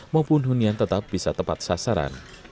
maupun hunian tetap bisa tepat sasaran